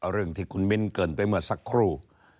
เรื่องที่คุณมิ้นเกินไปเมื่อสักครู่